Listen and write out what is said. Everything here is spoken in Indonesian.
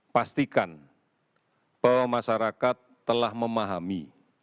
pastikan bahwa masyarakat telah memahami